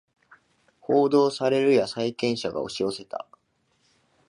報道されるや債権者が押し寄せた